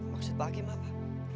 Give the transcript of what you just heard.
maksud pak kim apa